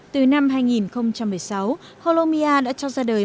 từ năm hai nghìn một mươi sáu holomia đã cho ra đời